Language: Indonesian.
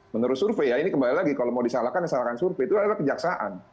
menurut survei ya ini kembali lagi kalau mau disalahkan disalahkan survei itu adalah kejaksaan